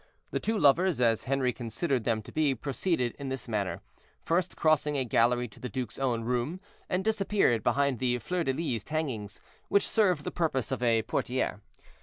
The two lovers, as Henri considered them to be, proceeded in this manner, first crossing a gallery to the duke's own room, and disappeared behind the fleur de lized hangings, which served the purpose of a portière.